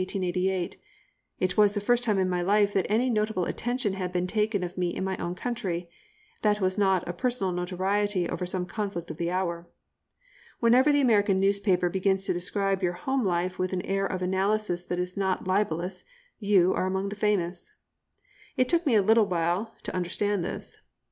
It was the first time in my life that any notable attention had been taken of me in my own country, that was not a personal notoriety over some conflict of the hour. Whenever the American newspaper begins to describe your home life with an air of analysis that is not libellous you are among the famous. It took me a little while to understand this.